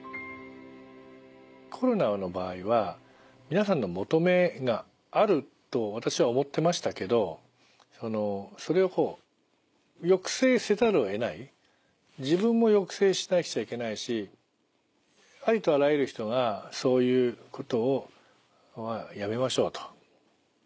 コロナの場合は皆さんの求めがあると私は思ってましたけどそれを抑制せざるを得ない自分も抑制しなくちゃいけないしありとあらゆる人が「そういうことはやめましょう」と。